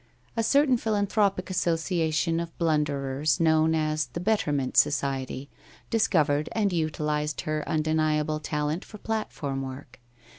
A certain philanthropic association of blunderers known as the ' Betterment ' Society discovered and utilised her undeniable talent for platform work.